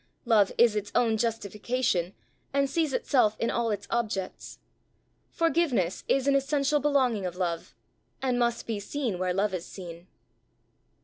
Love is its own justification, and sees itself in all its objects: forgiveness is an essential belonging of love, and must be seen where love is seen.